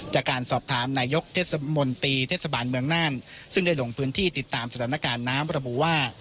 จากการสอบถามนายกเทศมนตรีเทศบาลเมืองน่านซึ่งได้ลงพื้นที่ติดตามสถานการณ์น้ำระบุว่า